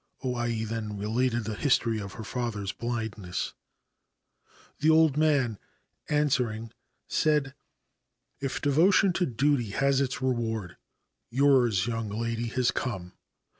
O Ai then related the history of her father's blindness. The old man, answering, said :' If devotion to duty has its reward, yours, young lady, has come.